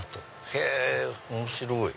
へぇ面白い！